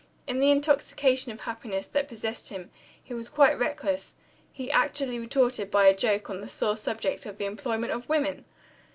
In the intoxication of happiness that possessed him, he was quite reckless; he actually retorted by a joke on the sore subject of the employment of women!